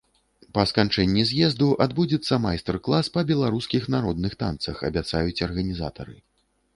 Па сканчэнні з'езду адбудзецца майстар-клас па беларускіх народных танцах, абяцаюць арганізатары.